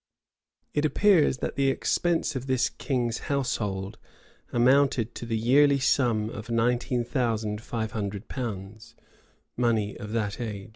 It appears that the expense of this king's household amounted to the yearly sum of nineteen thousand five hundred pounds, money of that age.